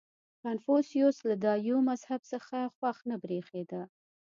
• کنفوسیوس له دایو مذهب څخه خوښ نه برېښېده.